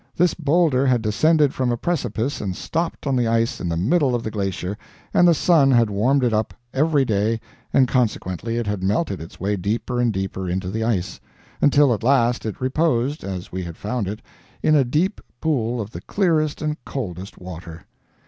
This boulder had descended from a precipice and stopped on the ice in the middle of the glacier, and the sun had warmed it up, every day, and consequently it had melted its way deeper and deeper into the ice, until at last it reposed, as we had found it, in a deep pool of the clearest and coldest water.